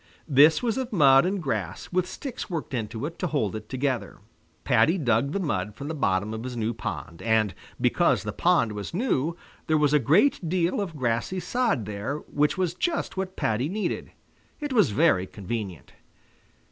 This was of mud and grass with sticks worked into it to hold it together. Paddy dug the mud from the bottom of his new pond. And because the pond was new, there was a great deal of grassy sod there, which was just what Paddy needed. It was very convenient.